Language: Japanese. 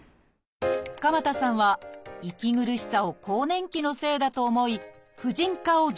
鎌田さんは息苦しさを更年期のせいだと思い婦人科を受診。